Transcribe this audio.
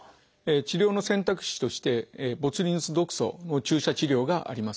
治療の選択肢としてボツリヌス毒素の注射治療があります。